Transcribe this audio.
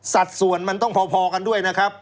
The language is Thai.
สัดส่วนมันต้องพอกันด้วยนะครับ